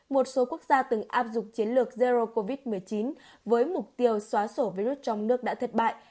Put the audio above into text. một số quốc gia từng áp dụng chiến lược zero covid một mươi chín với mục tiêu xóa sổ virus trong nước đã thất bại